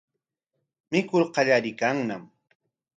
Mikur qallariykanñam.